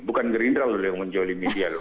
bukan gerindra loh yang menjolimi dia loh